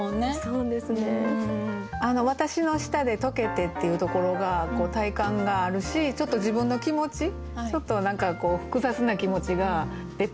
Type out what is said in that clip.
「わたしの舌でとけて」っていうところが体感があるしちょっと自分の気持ちちょっと何か複雑な気持ちが出ているなと思っていいなと思いました。